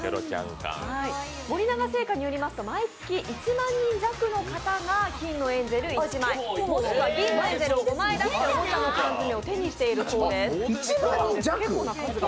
森永製菓によりますと毎月１万人弱の方が金のエンゼル１枚、もしくは銀のエンゼル５枚を出しておもちゃのカンヅメを手にしているそうです。